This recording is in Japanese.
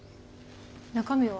中身は？